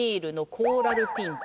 コーラルピンク？